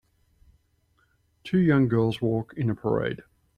Two young girls walk in a parade.